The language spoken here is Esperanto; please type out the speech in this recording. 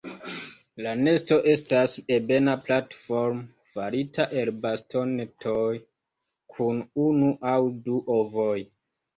La nesto estas ebena platformo farita el bastonetoj, kun unu aŭ du ovoj.